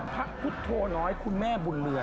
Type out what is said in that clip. พระพุทธโธน้อยคุณแม่บุญเรือ